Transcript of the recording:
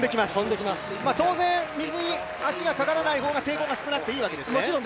当然、水に足がかからないほうが抵抗が少なくていいわけですね。